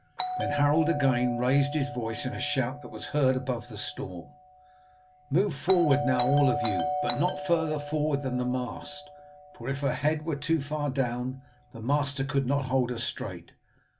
Then Harold again raised his voice in a shout that was heard above the storm: "Move forward now all of you, but not further forward than the mast; for if her head were too far down the master could not hold her straight.